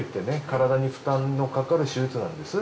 体に負担のかかる手術なんです